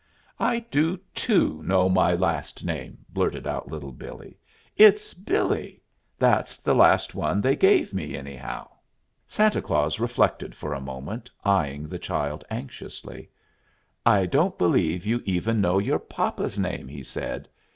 "I do, too, know my last name!" blurted Little Billee. "It's Billee. That's the last one they gave me, anyhow." Santa Claus reflected for a moment, eying the child anxiously. "I don't believe you even know your papa's name," he said.